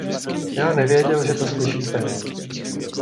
Já nevěděl, že to slyšíte!